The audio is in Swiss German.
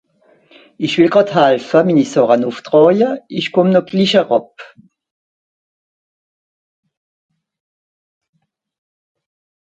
Ìch wìll gràd helfe, mini Sàche nùff traawe, ìch kùmm no glich eràb.